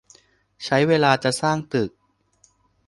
ใช้เวลาจะสร้างตึก